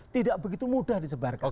tidak begitu mudah disebarkan